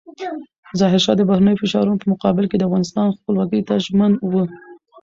ظاهرشاه د بهرنیو فشارونو په مقابل کې د افغانستان خپلواکۍ ته ژمن و.